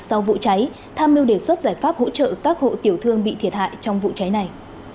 sau vụ cháy tham mưu đề xuất giải pháp hỗ trợ các hộ tiểu thương bị thiệt hại trong vụ cháy này